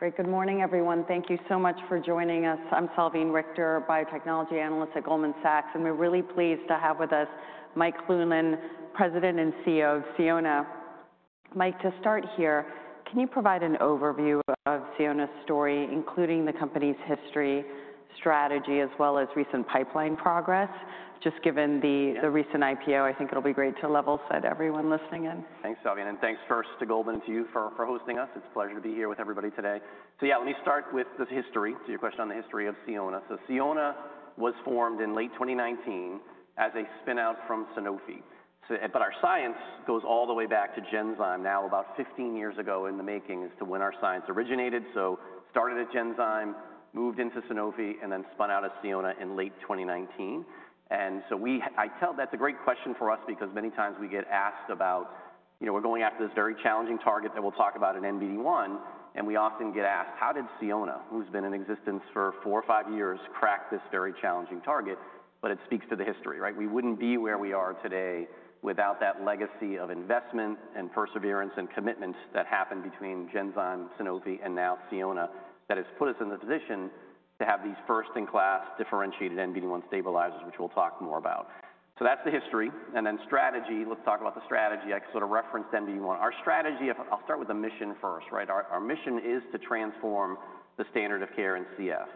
Great. Good morning, everyone. Thank you so much for joining us. I'm Salveen Richter, biotechnology analyst at Goldman Sachs, and we're really pleased to have with us Mike Cloonan, President and CEO of Sionna. Mike, to start here, can you provide an overview of Sionna's story, including the company's history, strategy, as well as recent pipeline progress? Just given the recent IPO, I think it'll be great to level set everyone listening in. Thanks, Salveen, and thanks first to Goldman and to you for hosting us. It's a pleasure to be here with everybody today. Yeah, let me start with the history, your question on the history of Sionna. Sionna was formed in late 2019 as a spinout from Sanofi. Our science goes all the way back to Genzyme, now about 15 years ago in the making, as to when our science originated. Started at Genzyme, moved into Sanofi, and then spun out as Sionna in late 2019. I tell, that's a great question for us because many times we get asked about, you know, we're going after this very challenging target that we'll talk about in NBD1, and we often get asked, how did Sionna, who's been in existence for four or five years, crack this very challenging target? But it speaks to the history, right? We wouldn't be where we are today without that legacy of investment and perseverance and commitment that happened between Genzyme, Sanofi, and now Sionna, that has put us in the position to have these first-in-class, differentiated NBD1 stabilizers, which we'll talk more about. That is the history. Strategy, let's talk about the strategy. I sort of referenced NBD1. Our strategy, I'll start with the mission first, right? Our mission is to transform the standard of care in CF.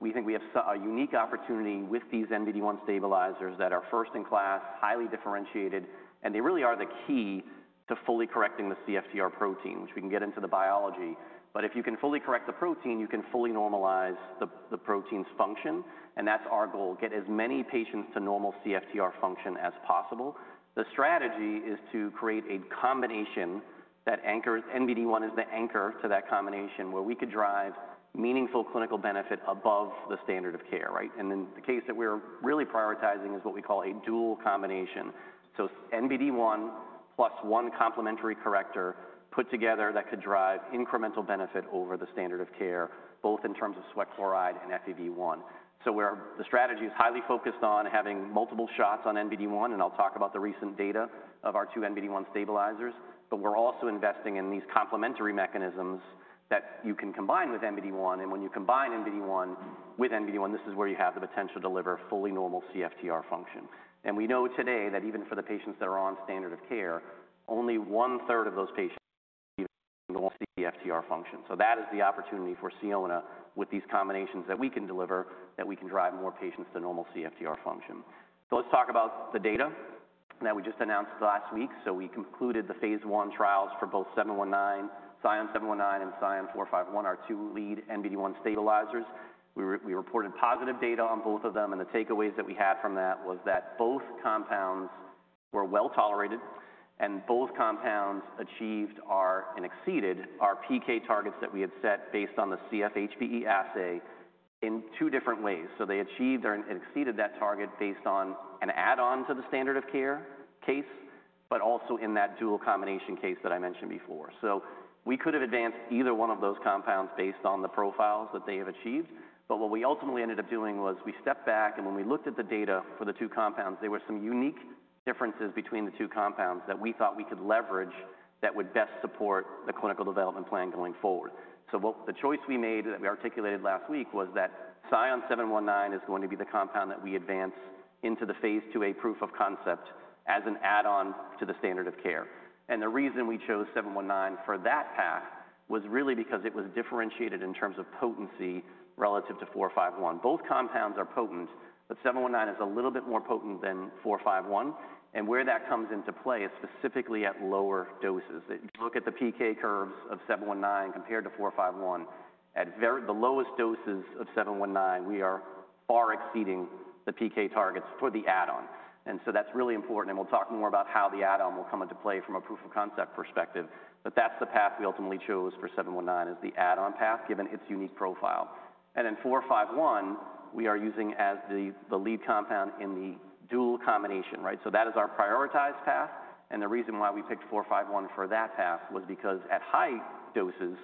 We think we have a unique opportunity with these NBD1 stabilizers that are first-in-class, highly differentiated, and they really are the key to fully correcting the CFTR protein, which we can get into the biology. If you can fully correct the protein, you can fully normalize the protein's function, and that's our goal: get as many patients to normal CFTR function as possible. The strategy is to create a combination that anchors NBD1 as the anchor to that combination, where we could drive meaningful clinical benefit above the standard of care, right? The case that we're really prioritizing is what we call a dual combination. NBD1 plus one complementary corrector put together that could drive incremental benefit over the standard of care, both in terms of sweat chloride and FEV1. The strategy is highly focused on having multiple shots on NBD1, and I'll talk about the recent data of our two NBD1 stabilizers, but we're also investing in these complementary mechanisms that you can combine with NBD1. When you combine NBD1 with NBD1, this is where you have the potential to deliver fully normal CFTR function. We know today that even for the patients that are on standard of care, only 1/3 of those patients will be able to achieve normal CFTR function. That is the opportunity for Sionna, with these combinations that we can deliver, that we can drive more patients to normal CFTR function. Let's talk about the data that we just announced last week. We concluded the phase I trials for both SION-719 and SION-451, our two lead NBD1 stabilizers. We reported positive data on both of them, and the takeaways that we had from that was that both compounds were well tolerated, and both compounds achieved and exceeded our PK targets that we had set based on the CFHBE assay in two different ways. They achieved and exceeded that target based on an add-on to the standard of care case, but also in that dual combination case that I mentioned before. We could have advanced either one of those compounds based on the profiles that they have achieved, but what we ultimately ended up doing was we stepped back, and when we looked at the data for the two compounds, there were some unique differences between the two compounds that we thought we could leverage that would best support the clinical development plan going forward. The choice we made, that we articulated last week, was that SION-719 is going to be the compound that we advance into the phase II-A proof of concept as an add-on to the standard of care. The reason we chose 719 for that path was really because it was differentiated in terms of potency relative to 451. Both compounds are potent, but 719 is a little bit more potent than 451, and where that comes into play is specifically at lower doses. If you look at the PK curves of 719 compared to 451, at the lowest doses of 719, we are far exceeding the PK targets for the add-on. That is really important, and we will talk more about how the add-on will come into play from a proof of concept perspective, but that is the path we ultimately chose for 719 as the add-on path, given its unique profile. 451, we are using as the lead compound in the dual combination, right? That is our prioritized path, and the reason why we picked 451 for that path was because at high doses,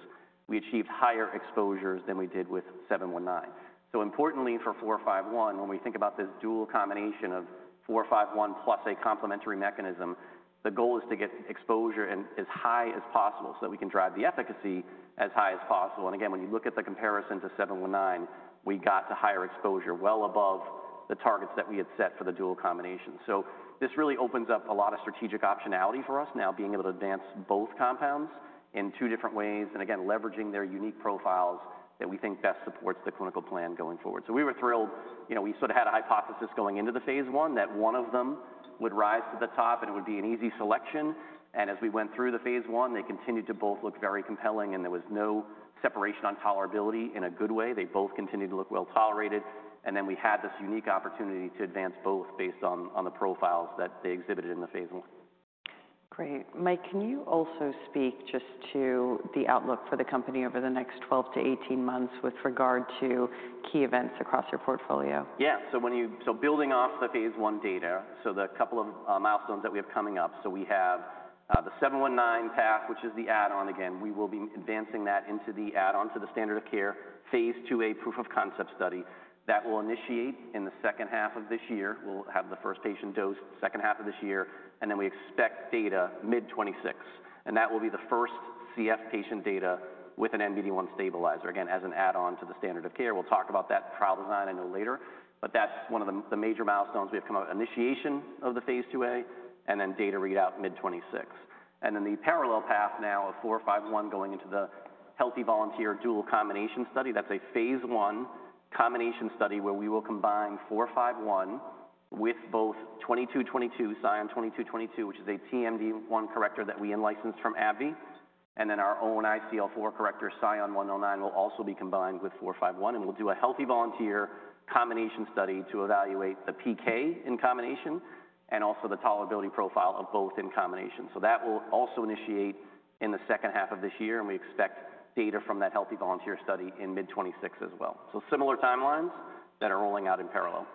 we achieved higher exposures than we did with 719. Importantly for 451, when we think about this dual combination of 451 plus a complementary mechanism, the goal is to get exposure as high as possible so that we can drive the efficacy as high as possible. Again, when you look at the comparison to 719, we got to higher exposure, well above the targets that we had set for the dual combination. This really opens up a lot of strategic optionality for us now, being able to advance both compounds in two different ways, and again, leveraging their unique profiles that we think best supports the clinical plan going forward. We were thrilled, you know, we sort of had a hypothesis going into the phase I that one of them would rise to the top, and it would be an easy selection. As we went through the phase I, they continued to both look very compelling, and there was no separation on tolerability in a good way. They both continued to look well tolerated, and then we had this unique opportunity to advance both based on the profiles that they exhibited in the phase I. Great. Mike, can you also speak just to the outlook for the company over the next 12-18 months with regard to key events across your portfolio? Yeah. So when you, so building off the phase I data, the couple of milestones that we have coming up, we have the 719 path, which is the add-on. Again, we will be advancing that into the add-on to the standard of care phase II-A proof of concept study that will initiate in the second half of this year. We will have the first patient dose second half of this year, and then we expect data mid 2026, and that will be the first cystic fibrosis patient data with an NBD1 stabilizer, again, as an add-on to the standard of care. We will talk about that trial design, I know, later, but that is one of the major milestones we have come up: initiation of the phase II-A, and then data readout mid 2026. The parallel path now of 451 is going into the healthy volunteer dual combination study. That's a phase I combination study where we will combine 451 with both 2222, SION-2222, which is a TMD1 corrector that we in-licensed from AbbVie, and then our own ICL4 corrector, SION-109, will also be combined with 451, and we'll do a healthy volunteer combination study to evaluate the PK in combination and also the tolerability profile of both in combination. That will also initiate in the second half of this year, and we expect data from that healthy volunteer study in mid 2026 as well. Similar timelines that are rolling out in parallel.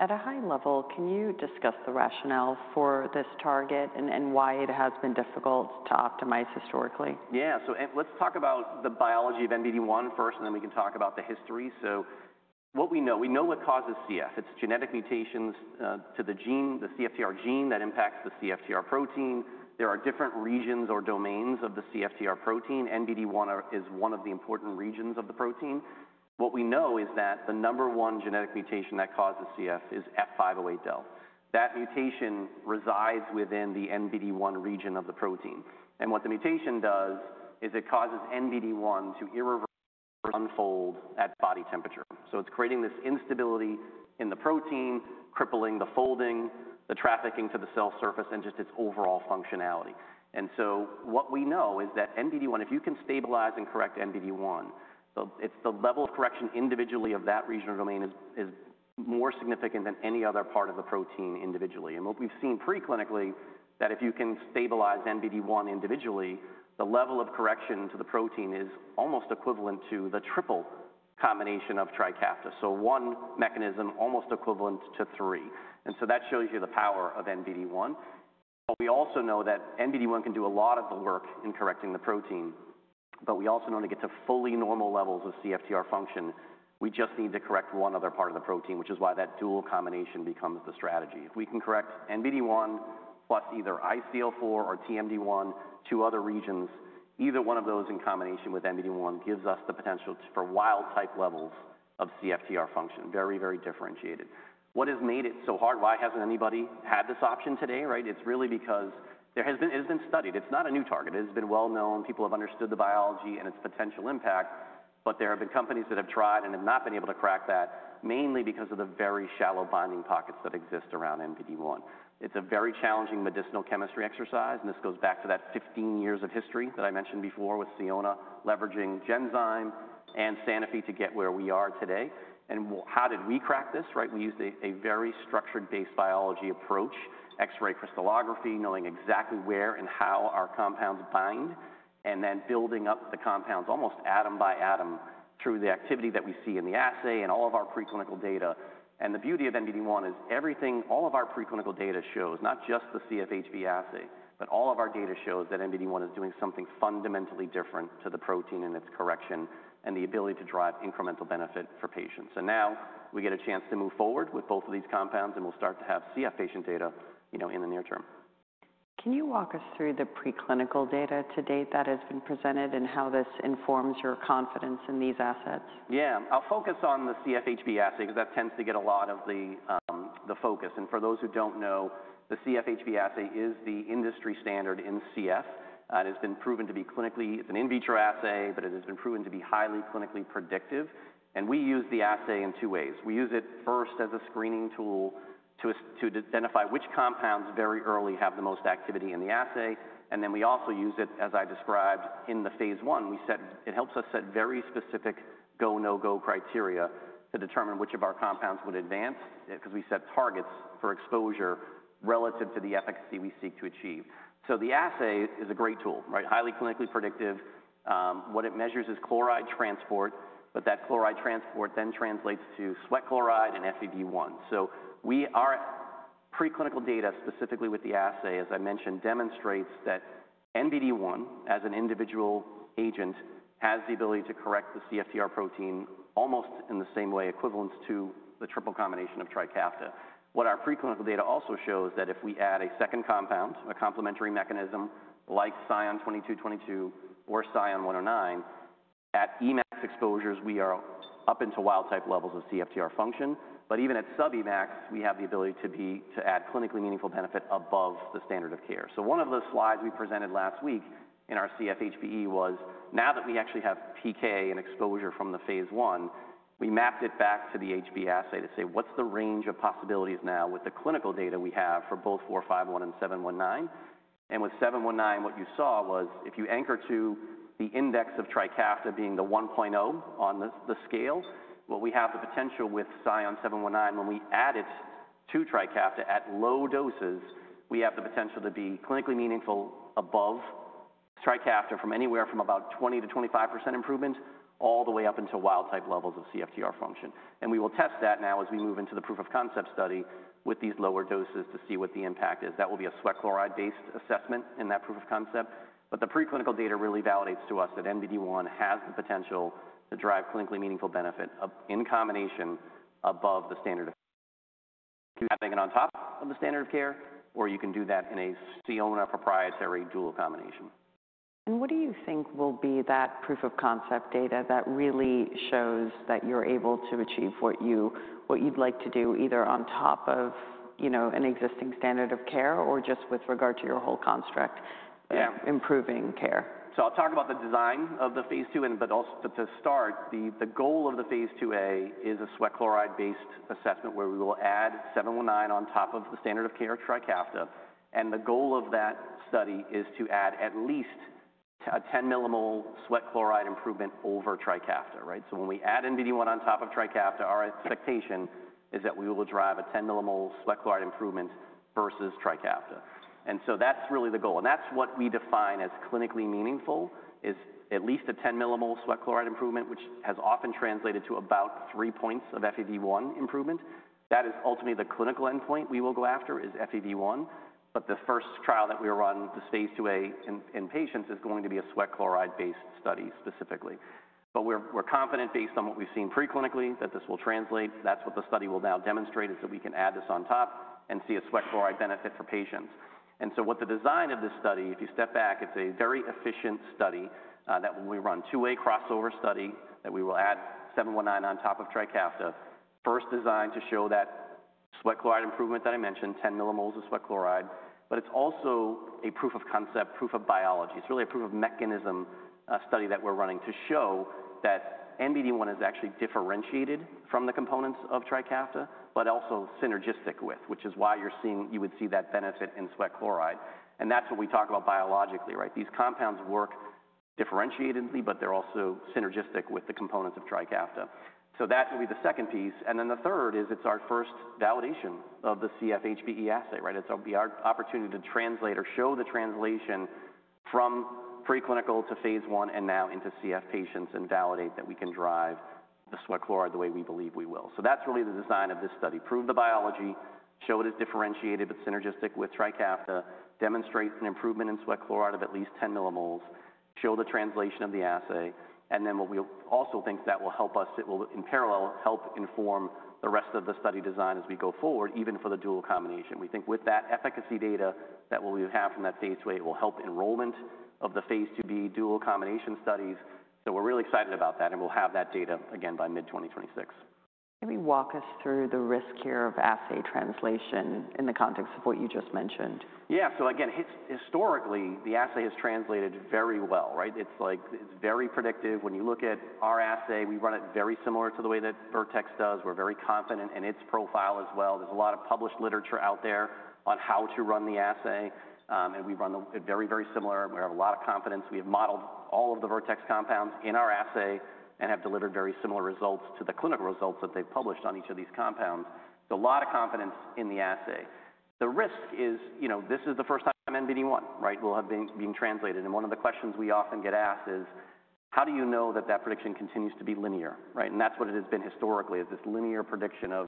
At a high level, can you discuss the rationale for this target and why it has been difficult to optimize historically? Yeah. Let's talk about the biology of NBD1 first, and then we can talk about the history. What we know, we know what causes CF. It's genetic mutations to the gene, the CFTR gene that impacts the CFTR protein. There are different regions or domains of the CFTR protein. NBD1 is one of the important regions of the protein. What we know is that the number one genetic mutation that causes CF is F508del. That mutation resides within the NBD1 region of the protein. What the mutation does is it causes NBD1 to irreversibly unfold at body temperature. It's creating this instability in the protein, crippling the folding, the trafficking to the cell surface, and just its overall functionality. What we know is that NBD1, if you can stabilize and correct NBD1, it's the level of correction individually of that regional domain is more significant than any other part of the protein individually. What we've seen preclinically is that if you can stabilize NBD1 individually, the level of correction to the protein is almost equivalent to the triple combination of Trikafta. One mechanism almost equivalent to three. That shows you the power of NBD1. We also know that NBD1 can do a lot of the work in correcting the protein, but we also know to get to fully normal levels of CFTR function, we just need to correct one other part of the protein, which is why that dual combination becomes the strategy. If we can correct NBD1 plus either ICL4 or TMD1, two other regions, either one of those in combination with NBD1 gives us the potential for wild-type levels of CFTR function, very, very differentiated. What has made it so hard? Why hasn't anybody had this option today, right? It's really because it has been studied. It's not a new target. It has been well known. People have understood the biology and its potential impact, but there have been companies that have tried and have not been able to crack that, mainly because of the very shallow binding pockets that exist around NBD1. It's a very challenging medicinal chemistry exercise, and this goes back to that 15 years of history that I mentioned before with Sionna, leveraging Genzyme and Sanofi to get where we are today. How did we crack this, right? We used a very structured-based biology approach, X-ray crystallography, knowing exactly where and how our compounds bind, and then building up the compounds almost atom by atom through the activity that we see in the assay and all of our preclinical data. The beauty of NBD1 is everything, all of our preclinical data shows, not just the CFHBE assay, but all of our data shows that NBD1 is doing something fundamentally different to the protein and its correction and the ability to drive incremental benefit for patients. Now we get a chance to move forward with both of these compounds, and we'll start to have CF patient data, you know, in the near term. Can you walk us through the preclinical data to date that has been presented and how this informs your confidence in these assets? Yeah. I'll focus on the CFHBE assay because that tends to get a lot of the focus. And for those who don't know, the CFHBE assay is the industry standard in CF. It has been proven to be clinically, it's an in vitro assay, but it has been proven to be highly clinically predictive. And we use the assay in two ways. We use it first as a screening tool to identify which compounds very early have the most activity in the assay. And then we also use it, as I described, in the phase I. We set, it helps us set very specific go, no-go criteria to determine which of our compounds would advance because we set targets for exposure relative to the efficacy we seek to achieve. The assay is a great tool, right? Highly clinically predictive. What it measures is chloride transport, but that chloride transport then translates to sweat chloride and FEV1. Our preclinical data, specifically with the assay, as I mentioned, demonstrates that NBD1, as an individual agent, has the ability to correct the CFTR protein almost in the same way, equivalence to the triple combination of Trikafta. What our preclinical data also shows is that if we add a second compound, a complementary mechanism like SION-2222 or SION-109, at Emax exposures, we are up into wild-type levels of CFTR function, but even at sub-Emax, we have the ability to add clinically meaningful benefit above the standard of care. One of the slides we presented last week in our CFHBE was now that we actually have PK and exposure from the phase I, we mapped it back to the HB assay to say, what's the range of possibilities now with the clinical data we have for both 451 and 719? With 719, what you saw was if you anchor to the index of Trikafta being the 1.0 on the scale, what we have the potential with SION-719, when we add it to Trikafta at low doses, we have the potential to be clinically meaningful above Trikafta from anywhere from about 20%-25% improvement all the way up until wild-type levels of CFTR function. We will test that now as we move into the proof of concept study with these lower doses to see what the impact is. That will be a sweat chloride-based assessment in that proof of concept, but the preclinical data really validates to us that NBD1 has the potential to drive clinically meaningful benefit in combination above the standard of care. You can have it on top of the standard of care, or you can do that in a Sionna proprietary dual combination. What do you think will be that proof of concept data that really shows that you're able to achieve what you'd like to do either on top of, you know, an existing standard of care or just with regard to your whole construct improving care? I'll talk about the design of the phase II, but also to start, the goal of the phase II-A is a sweat chloride-based assessment where we will add 719 on top of the standard of care Trikafta, and the goal of that study is to add at least a 10 mmol sweat chloride improvement over Trikafta, right? When we add NBD1 on top of Trikafta, our expectation is that we will drive a 10 mmol sweat chloride improvement versus Trikafta. That's really the goal. That's what we define as clinically meaningful is at least a 10 mmol sweat chloride improvement, which has often translated to about three points of FEV1 improvement. That is ultimately the clinical endpoint we will go after is FEV1, but the first trial that we are on, the phase II-A in patients, is going to be a sweat chloride-based study specifically. We are confident based on what we have seen preclinically that this will translate. That is what the study will now demonstrate is that we can add this on top and see a sweat chloride benefit for patients. The design of this study, if you step back, it is a very efficient study that we run, II-A crossover study, that we will add 719 on top of Trikafta, first designed to show that sweat chloride improvement that I mentioned, 10 mmol of sweat chloride, but it is also a proof of concept, proof of biology. It's really a proof of mechanism study that we're running to show that NBD1 is actually differentiated from the components of Trikafta, but also synergistic with, which is why you would see that benefit in sweat chloride. That's what we talk about biologically, right? These compounds work differentiatedly, but they're also synergistic with the components of Trikafta. That will be the second piece. The third is it's our first validation of the CFHBE assay, right? It'll be our opportunity to translate or show the translation from preclinical to phase I and now into CF patients and validate that we can drive the sweat chloride the way we believe we will. That's really the design of this study. Prove the biology, show it is differentiated but synergistic with Trikafta, demonstrate an improvement in sweat chloride of at least 10 mmol, show the translation of the assay, and then what we also think that will help us, it will in parallel help inform the rest of the study design as we go forward, even for the dual combination. We think with that efficacy data that we have from that phase II, it will help enrollment of the phase II-B dual combination studies. We are really excited about that, and we will have that data again by mid 2026. Can you walk us through the risk here of assay translation in the context of what you just mentioned? Yeah. So again, historically, the assay has translated very well, right? It's like, it's very predictive. When you look at our assay, we run it very similar to the way that Vertex does. We're very confident in its profile as well. There's a lot of published literature out there on how to run the assay, and we run it very, very similar. We have a lot of confidence. We have modeled all of the Vertex compounds in our assay and have delivered very similar results to the clinical results that they've published on each of these compounds. So a lot of confidence in the assay. The risk is, you know, this is the first time NBD1, right, will have been being translated. And one of the questions we often get asked is, how do you know that that prediction continues to be linear, right? That is what it has been historically, this linear prediction of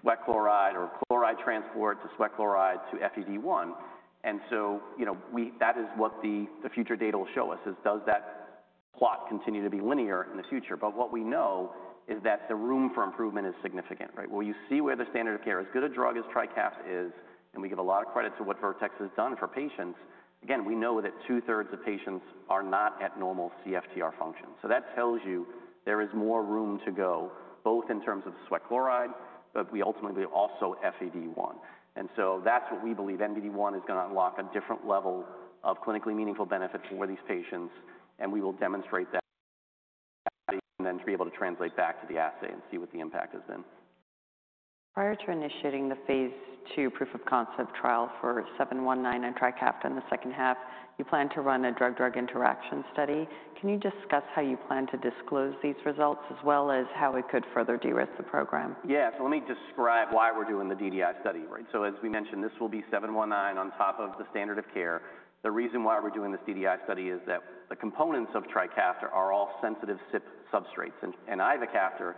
sweat chloride or chloride transport to sweat chloride to FEV1. You know, that is what the future data will show us, does that plot continue to be linear in the future? What we know is that the room for improvement is significant, right? You see where the standard of care, as good a drug as Trikafta is, and we give a lot of credit to what Vertex has done for patients. Again, we know that 2/3 of patients are not at normal CFTR function. That tells you there is more room to go both in terms of sweat chloride, but ultimately also FEV1. That is what we believe NBD1 is going to unlock, a different level of clinically meaningful benefit for these patients, and we will demonstrate that and then be able to translate back to the assay and see what the impact has been. Prior to initiating the phase II proof of concept trial for 719 and Trikafta in the second half, you plan to run a drug-drug interaction study. Can you discuss how you plan to disclose these results as well as how it could further de-risk the program? Yeah. Let me describe why we're doing the DDI study, right? As we mentioned, this will be 719 on top of the standard of care. The reason why we're doing this DDI study is that the components of Trikafta are all sensitive CYP3A substrates, and ivacaftor,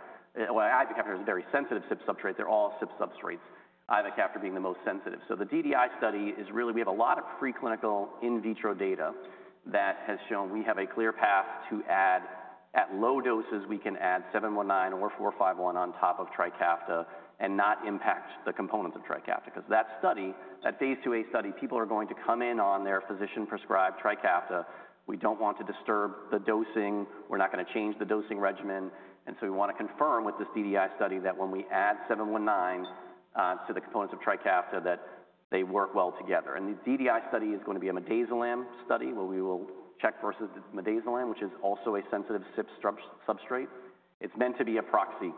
well, ivacaftor is a very sensitive CYP3A substrate. They're all CYP3A substrates, ivacaftor being the most sensitive. The DDI study is really, we have a lot of preclinical in vitro data that has shown we have a clear path to add at low doses, we can add 719 or 451 on top of Trikafta and not impact the components of Trikafta because that study, that phase II-A study, people are going to come in on their physician-prescribed Trikafta. We don't want to disturb the dosing. We're not going to change the dosing regimen. We want to confirm with this DDI study that when we add 719 to the components of Trikafta, they work well together. The DDI study is going to be a midazolam study where we will check versus midazolam, which is also a sensitive CYP3A substrate. It is meant to be a proxy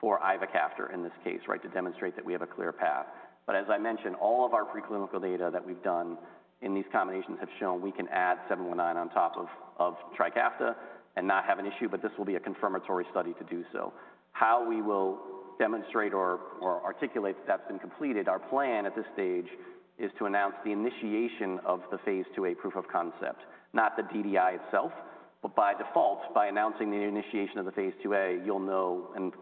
for ivacaftor in this case, right, to demonstrate that we have a clear path. As I mentioned, all of our preclinical data that we have done in these combinations have shown we can add 719 on top of Trikafta and not have an issue. This will be a confirmatory study to do so. How we will demonstrate or articulate that that's been completed, our plan at this stage is to announce the initiation of the phase II-A proof of concept, not the DDI itself, but by default, by announcing the initiation of the phase II-A, you'll know, and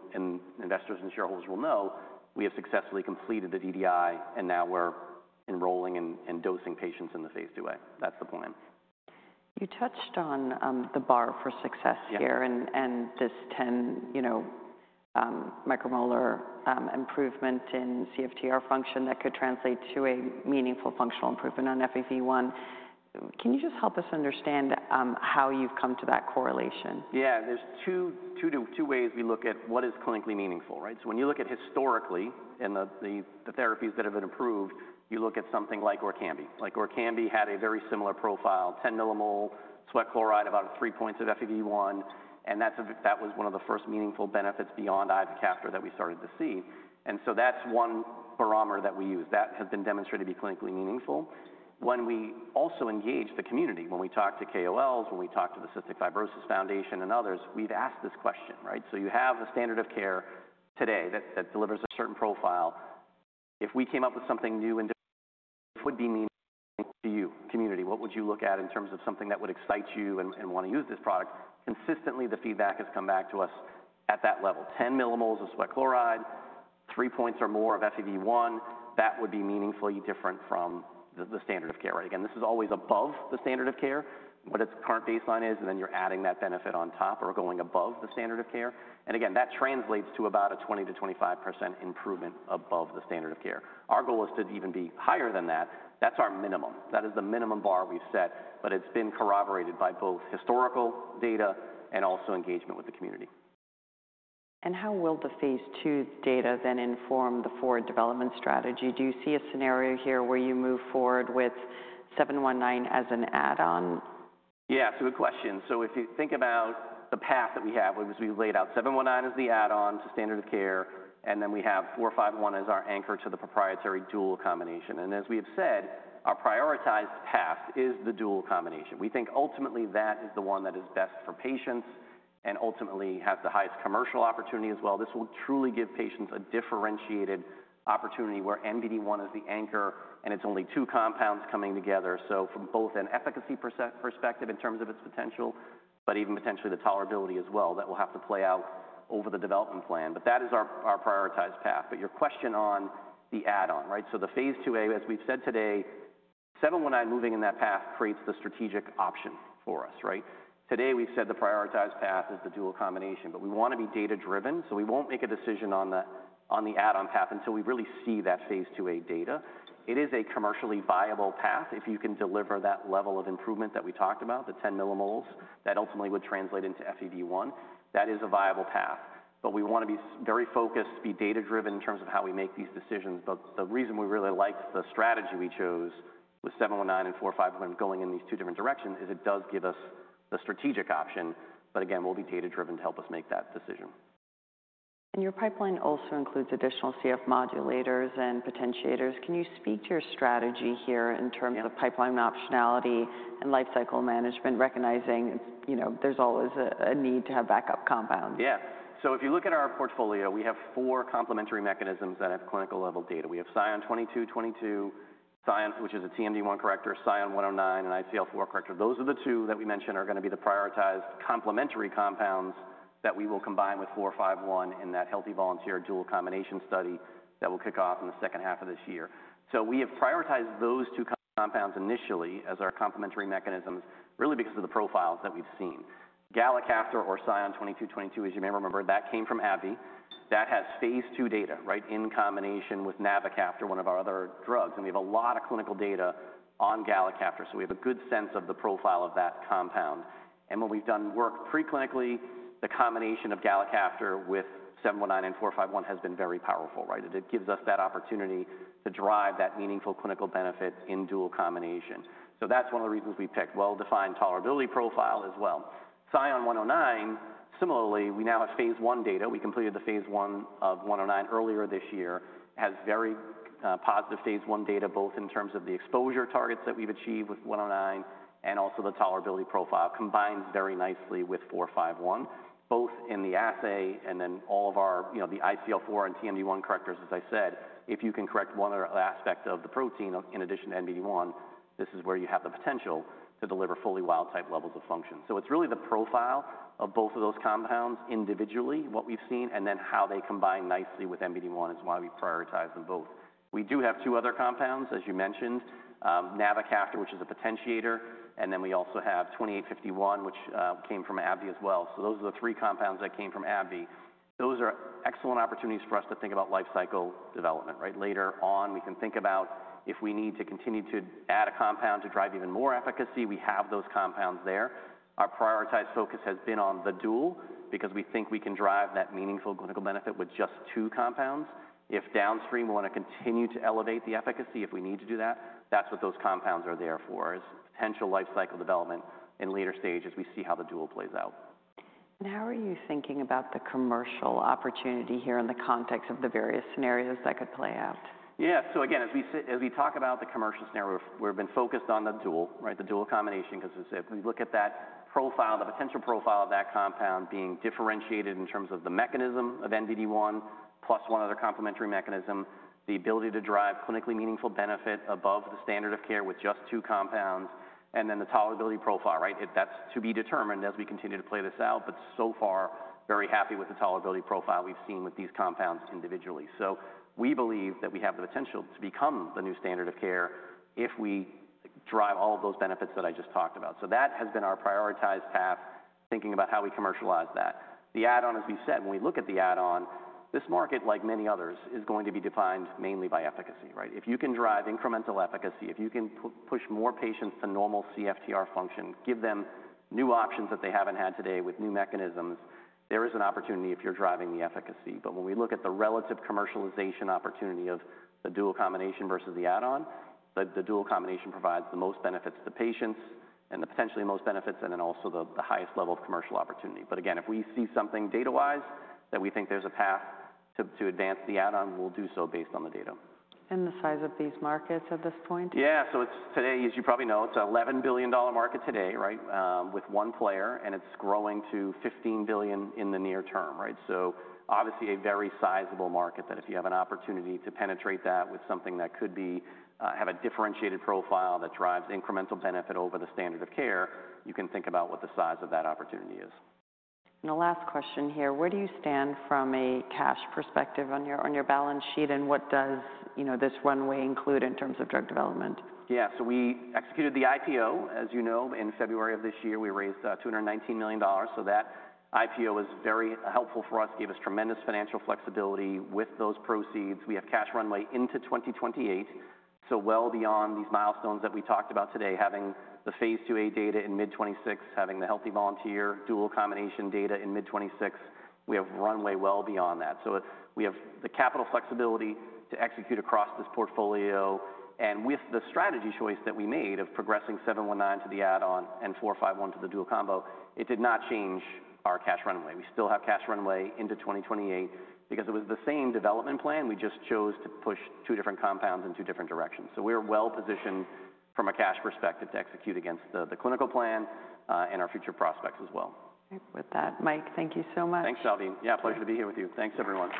investors and shareholders will know we have successfully completed the DDI, and now we're enrolling and dosing patients in the phase II-A. That's the plan. You touched on the bar for success here and this 10, you know, millimole improvement in CFTR function that could translate to a meaningful functional improvement on FEV1. Can you just help us understand how you've come to that correlation? Yeah. There are two ways we look at what is clinically meaningful, right? When you look at historically and the therapies that have been approved, you look at something like Orkambi. Like Orkambi had a very similar profile, 10 mmol sweat chloride, about three points of FEV1, and that was one of the first meaningful benefits beyond ivacaftor that we started to see. That is one barometer that we use that has been demonstrated to be clinically meaningful. When we also engage the community, when we talk to KOLs, when we talk to the Cystic Fibrosis Foundation and others, we have asked this question, right? You have a standard of care today that delivers a certain profile. If we came up with something new and different that would be meaningful to you, community, what would you look at in terms of something that would excite you and want to use this product? Consistently, the feedback has come back to us at that level. 10 mmol of sweat chloride, three points or more of FEV1, that would be meaningfully different from the standard of care, right? This is always above the standard of care, what its current baseline is, and then you're adding that benefit on top or going above the standard of care. That translates to about a 20%-25% improvement above the standard of care. Our goal is to even be higher than that. That's our minimum. That is the minimum bar we've set, but it's been corroborated by both historical data and also engagement with the community. How will the phase II data then inform the forward development strategy? Do you see a scenario here where you move forward with 719 as an add-on? Yeah. That's a good question. If you think about the path that we have, we've laid out 719 as the add-on to standard of care, and then we have 451 as our anchor to the proprietary dual combination. As we have said, our prioritized path is the dual combination. We think ultimately that is the one that is best for patients and ultimately has the highest commercial opportunity as well. This will truly give patients a differentiated opportunity where NBD1 is the anchor and it's only two compounds coming together. From both an efficacy perspective in terms of its potential, but even potentially the tolerability as well, that will have to play out over the development plan, but that is our prioritized path. Your question on the add-on, right? The phase II-A, as we've said today, 719 moving in that path creates the strategic option for us, right? Today we've said the prioritized path is the dual combination, but we want to be data-driven, so we won't make a decision on the add-on path until we really see that phase II-A data. It is a commercially viable path if you can deliver that level of improvement that we talked about, the 10 mmol that ultimately would translate into FEV1. That is a viable path, but we want to be very focused, be data-driven in terms of how we make these decisions. The reason we really liked the strategy we chose with 719 and 451 going in these two different directions is it does give us the strategic option, but again, we'll be data-driven to help us make that decision. Your pipeline also includes additional CF modulators and potentiators. Can you speak to your strategy here in terms of pipeline optionality and lifecycle management, recognizing, you know, there's always a need to have backup compounds? Yeah. If you look at our portfolio, we have four complementary mechanisms that have clinical level data. We have SION-2222, which is a TMD1 corrector, SION-109, an ICL4 corrector. Those are the two that we mentioned are going to be the prioritized complementary compounds that we will combine with 451 in that healthy volunteer dual combination study that will kick off in the second half of this year. We have prioritized those two compounds initially as our complementary mechanisms really because of the profiles that we've seen. Galicaftor or SION-2222, as you may remember, that came from AbbVie. That has phase II data, right, in combination with navocaftor, one of our other drugs, and we have a lot of clinical data on galicaftor, so we have a good sense of the profile of that compound. When we've done work preclinically, the combination of galicaftor with 719 and 451 has been very powerful, right? It gives us that opportunity to drive that meaningful clinical benefit in dual combination. That's one of the reasons we picked well-defined tolerability profile as well. SION-109, similarly, we now have phase I data. We completed the phase I of 109 earlier this year. It has very positive phase I data both in terms of the exposure targets that we've achieved with 109 and also the tolerability profile combines very nicely with 451, both in the assay and then all of our, you know, the ICL4 and TMD1 correctors, as I said, if you can correct one or other aspect of the protein in addition to NBD1, this is where you have the potential to deliver fully wild-type levels of function. It is really the profile of both of those compounds individually, what we have seen, and then how they combine nicely with NBD1 is why we prioritize them both. We do have two other compounds, as you mentioned, navocaftor, which is a potentiator, and then we also have 2851, which came from AbbVie as well. Those are the three compounds that came from AbbVie. Those are excellent opportunities for us to think about lifecycle development, right? Later on, we can think about if we need to continue to add a compound to drive even more efficacy. We have those compounds there. Our prioritized focus has been on the dual because we think we can drive that meaningful clinical benefit with just two compounds. If downstream, we want to continue to elevate the efficacy, if we need to do that, that's what those compounds are there for, is potential lifecycle development in later stages we see how the dual plays out. How are you thinking about the commercial opportunity here in the context of the various scenarios that could play out? Yeah. So again, as we talk about the commercial scenario, we've been focused on the dual, right? The dual combination because we said we look at that profile, the potential profile of that compound being differentiated in terms of the mechanism of NBD1 plus one other complementary mechanism, the ability to drive clinically meaningful benefit above the standard of care with just two compounds, and then the tolerability profile, right? That is to be determined as we continue to play this out, but so far, very happy with the tolerability profile we've seen with these compounds individually. We believe that we have the potential to become the new standard of care if we drive all of those benefits that I just talked about. That has been our prioritized path, thinking about how we commercialize that. The add-on, as we said, when we look at the add-on, this market, like many others, is going to be defined mainly by efficacy, right? If you can drive incremental efficacy, if you can push more patients to normal CFTR function, give them new options that they haven't had today with new mechanisms, there is an opportunity if you're driving the efficacy. When we look at the relative commercialization opportunity of the dual combination versus the add-on, the dual combination provides the most benefits to patients and the potentially most benefits and then also the highest level of commercial opportunity. Again, if we see something data-wise that we think there's a path to advance the add-on, we'll do so based on the data. is the size of these markets at this point? Yeah. So it's today, as you probably know, it's an $11 billion market today, right, with one player, and it's growing to $15 billion in the near term, right? Obviously a very sizable market that if you have an opportunity to penetrate that with something that could have a differentiated profile that drives incremental benefit over the standard of care, you can think about what the size of that opportunity is. The last question here, where do you stand from a cash perspective on your balance sheet and what does, you know, this runway include in terms of drug development? Yeah. We executed the IPO, as you know, in February of this year. We raised $219 million. That IPO was very helpful for us, gave us tremendous financial flexibility with those proceeds. We have cash runway into 2028. Well beyond these milestones that we talked about today, having the phase II-A data in mid-2026, having the Healthy Volunteer dual combination data in mid-2026, we have runway well beyond that. We have the capital flexibility to execute across this portfolio. With the strategy choice that we made of progressing 719 to the add-on and 451 to the dual combo, it did not change our cash runway. We still have cash runway into 2028 because it was the same development plan. We just chose to push two different compounds in two different directions. We're well positioned from a cash perspective to execute against the clinical plan and our future prospects as well. With that, Mike, thank you so much. Thanks, Salveen. Yeah, pleasure to be here with you. Thanks everyone.